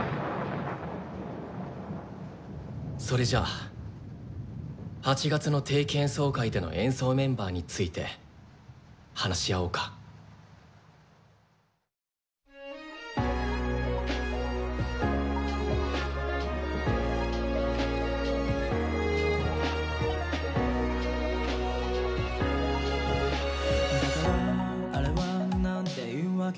それじゃあ８月の定期演奏会での演奏メンバーについて話し合おうか。幹部会？